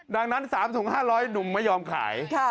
ดังนั้น๓ถุง๕๐๐หนุ่มไม่ยอมขาย